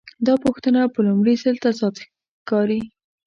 دا پوښتنه په لومړي ځل تضاد ښکاري.